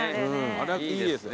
あっいいですね。